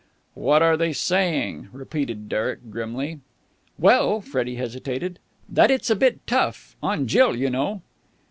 "What are they saying?" repeated Derek grimly. "Well...." Freddie hesitated. "That it's a bit tough.... On Jill, you know."